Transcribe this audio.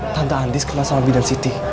tante andi sekenal sama bidan siti